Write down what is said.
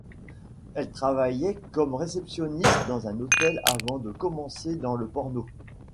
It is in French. Elle travaillait comme réceptionniste dans un hôtel avant de commencer dans le porno.